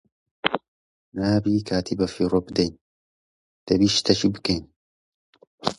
نابێت کات بەفیڕۆ بدەین - دەبێت شتێک بکەین!